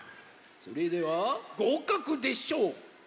それではごうかくでしょうか？